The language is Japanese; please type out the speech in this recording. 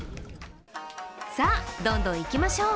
さぁ、どんどんいきましょう。